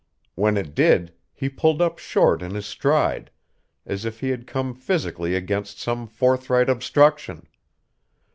When it did, he pulled up short in his stride, as if he had come physically against some forthright obstruction.